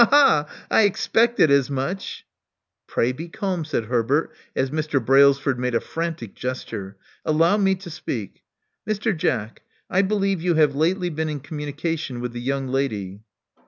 Ha! ha! I expected as much." Pray be calm," said Herbert, as Mr. Brailsford made a frantic gesture. Allow me to speak. Mr. Jack : I believe you have lately been in communication with the young lady."